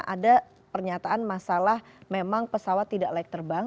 ada pernyataan masalah memang pesawat tidak layak terbang